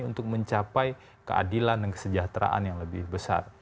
untuk mencapai keadilan dan kesejahteraan yang lebih besar